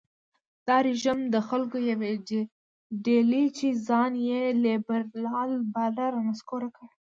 دا رژیم د خلکو یوې ډلې چې ځان یې لېبرال باله رانسکور کړ.